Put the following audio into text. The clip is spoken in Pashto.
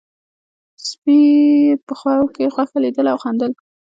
سپي په خوب کې غوښه لیدله او خندل.